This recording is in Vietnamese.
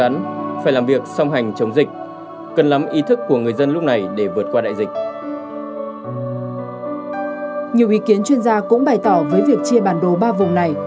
nhiều ý kiến chuyên gia cũng bày tỏ với việc chia bản đồ ba vùng này